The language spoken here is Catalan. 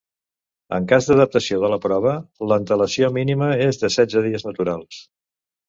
En cas d'adaptació de la prova, l'antelació mínima és de setze dies naturals.